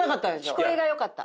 聞こえが良かった。